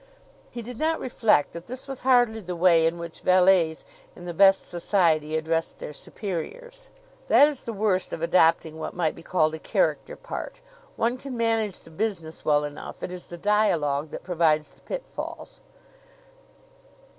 He did not reflect that this was hardly the way in which valets in the best society addressed their superiors. That is the worst of adopting what might be called a character part. One can manage the business well enough; it is the dialogue that provides the pitfalls.